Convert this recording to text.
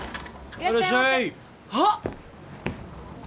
いらっしゃいませあっ。